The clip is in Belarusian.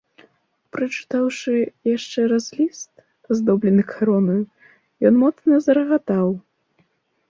Прачытаўшы яшчэ раз ліст, аздоблены каронаю, ён моцна зарагатаў.